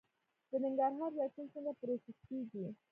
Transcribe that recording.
د ننګرهار زیتون څنګه پروسس کیږي؟